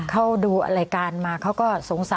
เขาดูอร่อยการมาเขาก็